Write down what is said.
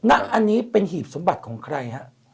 ณอันนี้เป็นหีบสมบัติของใครฮะ